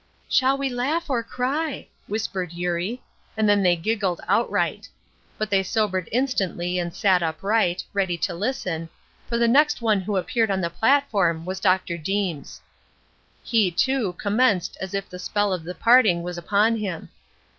"Shall we laugh, or cry?" whispered Eurie, and then they giggled outright. But they sobered instantly and sat upright, ready to listen, for the next one who appeared on the platform was Dr. Deems. He, too, commenced as if the spell of the parting was upon him.